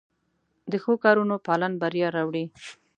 د ښو کارونو پالن بریا راوړي.